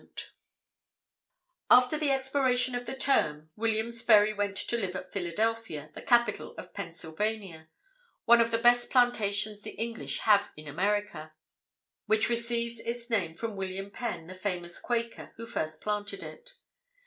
After the expiration of the term, William Sperry went to live at Philadelphia, the capital of Pennsylvania, one of the best plantations the English have in America, which receives its name from William Penn, the famous Quaker who first planted it.